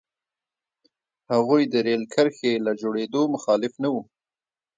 هغوی د رېل کرښې له جوړېدو مخالف نه وو.